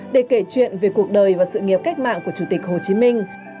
để kể chuyện về cuộc đời và sự nghiệp cách mạng của chủ tịch hồ chí minh